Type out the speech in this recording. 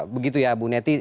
begitu ya bu neti